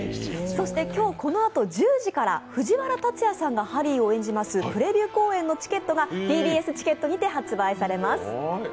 そしてこのあと１０時から藤原竜也さんがハリーを演じますプレビュー公演のチケットがＴＢＳチケットにて発売されます。